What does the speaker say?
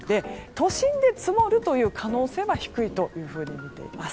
都心で積もるという可能性は低いとみています。